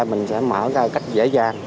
mình sẽ mở ra cách dễ dàng